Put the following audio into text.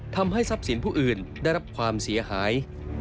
ทำให้ทรัพย์สินผู้อื่นได้รับความเสียหาย